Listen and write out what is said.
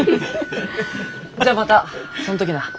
じゃあまたそん時な。